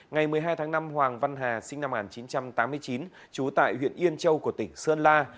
ngày một mươi hai tháng năm hoàng văn hà sinh năm một nghìn chín trăm tám mươi chín trú tại huyện yên châu của tỉnh sơn la